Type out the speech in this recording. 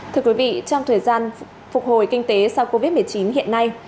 thưa quý vị trong thời gian phục hồi kinh tế sau covid một mươi chín hiện nay